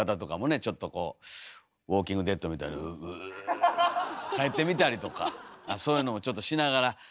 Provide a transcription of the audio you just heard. ちょっとこう「ウォーキング・デッド」みたいに「ウゥ」帰ってみたりとかそういうのもちょっとしながら楽しんでおります。